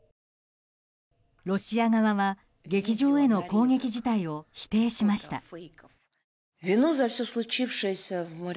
ロシア側は劇場への攻撃自体を否定しました。